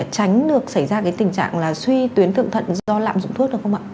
tránh được xảy ra cái tình trạng là suy tuyến thượng thận do lạm dụng thuốc được không ạ